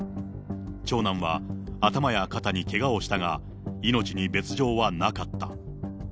長男は頭や肩にけがをしたが、命に別状はなかった。